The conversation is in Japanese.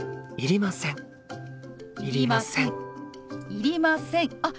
いりませんあっ